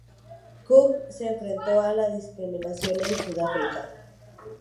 Klug se enfrentó a la discriminación en Sudáfrica.